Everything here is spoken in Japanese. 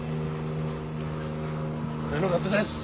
俺の勝手です。